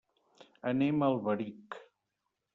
Anem a Alberic.